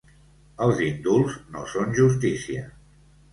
Els indults no són justícia!